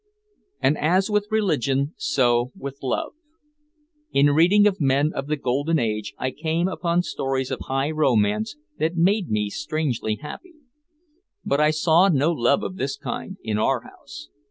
And as with religion, so with love. In reading of men of the Golden Age I came upon stories of high romance that made me strangely happy. But I saw no love of this kind in our house.